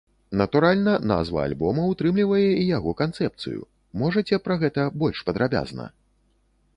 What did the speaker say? Натуральна, назва альбома ўтрымлівае і яго канцэпцыю, можаце пра гэта больш падрабязна?